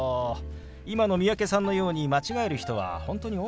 今の三宅さんのように間違える人は本当に多いんですよ。